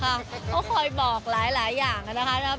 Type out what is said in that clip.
เค้าคอยบอกหลายอย่างอะนะคะนะครับ